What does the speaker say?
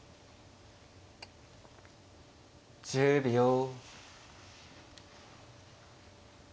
１０秒。